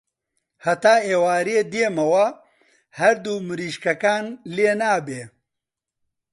هەتا ئێوارێ دێمەوە هەردوو مریشکەکان لێنابێ.